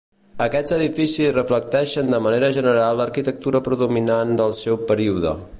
Aquests edificis reflecteixen de manera general l'arquitectura predominant del seu període.